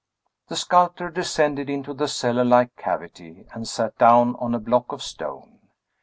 The sculptor descended into the cellar like cavity, and sat down on a block of stone.